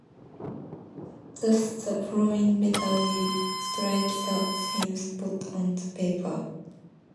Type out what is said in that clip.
Thus, the following letter will strike the same spot on the paper.